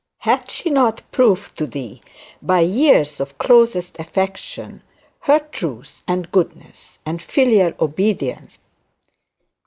Had she not proved to thee, by years of closest affection, her truth and goodness and filial obedience?